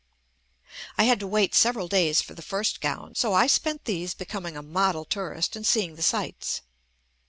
I had to wait several days for the first gown, so I spent these becom ing a model tourist and seeing the sights.